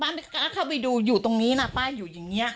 ไม่กล้าเข้าไปดูอยู่ตรงนี้นะป้าอยู่อย่างนี้